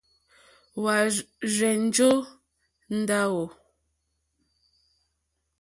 Hwá rzènjó ndáwù.